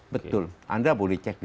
betul anda boleh cek di